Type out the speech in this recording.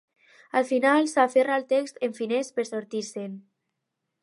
Al final, s'aferra al text en finès per sortir-se'n.